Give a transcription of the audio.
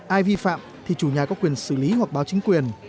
ai vi phạm thì chủ nhà có quyền xử lý hoặc báo chính quyền